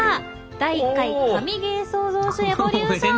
「第１回神ゲー創造主エボリューション」！